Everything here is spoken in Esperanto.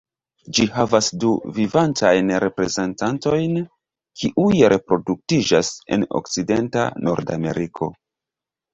Ĝi havas du vivantajn reprezentantojn kiuj reproduktiĝas en okcidenta Nordameriko.